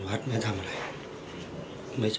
ฝ่ายกรเหตุ๗๖ฝ่ายมรณภาพกันแล้ว